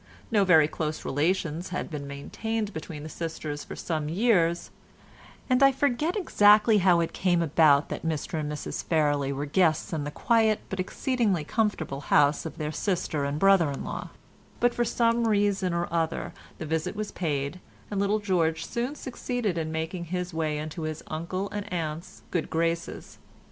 No very close relations had been maintained between the sisters for some years, and I forget exactly how it came about that Mr and Mrs Fairlie were guests in the quiet but exceedingly comfortable house of their sister and brother in law; but for some reason or other the visit was paid, and little George soon succeeded in making his way into his uncle and aunt's good graces.